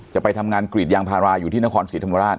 จะไปทำงานกรีดยางพาราอยู่ที่นครศรีธรรมราช